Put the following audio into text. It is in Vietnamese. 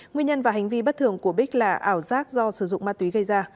nguyên nhân và hành vi bất thường của bích là ảo giác do sử dụng ma túy gây ra